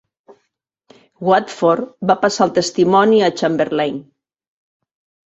Watford va passar el testimoni a Chamberlain.